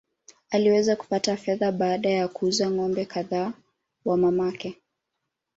Aliweza kupata fedha baada ya kuuza ng’ombe kadhaa wa mamake.